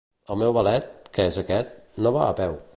El meu Valet, que és aquest, no va a peu.